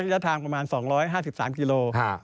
ระยะทางประมาณ๒๕๓กิโล